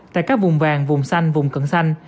tại các vùng vàng vùng xanh vùng cận xanh